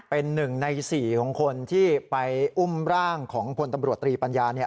เป็นหนึ่งในสี่ของคนที่ไปอุ้มร่างของพลตำรวจตรีปัญญา